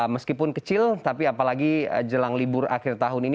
meskipun kecil tapi apalagi jelang libur akhir tahun ini